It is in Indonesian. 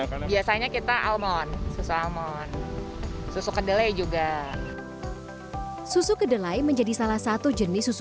karena biasanya kita almon susu almon susu kedelai juga susu kedelai menjadi salah satu jenis susu